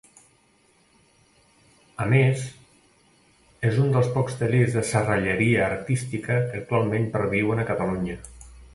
A més, és un dels pocs tallers de serralleria artística que actualment perviuen a Catalunya.